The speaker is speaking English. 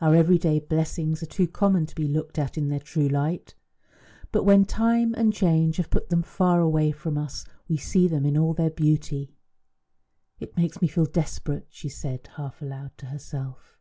Our everyday blessings are too common to be looked at in their true light; but when time and change have put them far away from us we see them in all their beauty. "It makes me feel desperate," she said half aloud to herself.